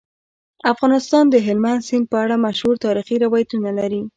افغانستان د هلمند سیند په اړه مشهور تاریخی روایتونه لري.